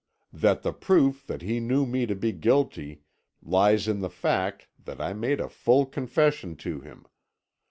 "That the proof that he knew me to be guilty lies in the fact that I made a full confession to him.